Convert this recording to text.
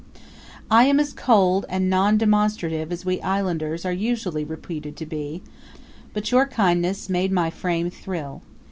I am as cold and non demonstrative as we islanders are usually reputed to be; but your kindness made my frame thrill.